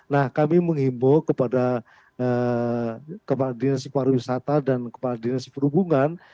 nah kami mengimbau kepada kepala direksi pariwisata dan kepala direksi perhubungan